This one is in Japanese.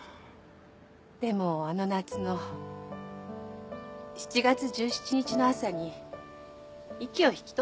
でもあの夏の７月１７日の朝に息を引き取ったの。